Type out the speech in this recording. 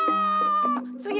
つぎ。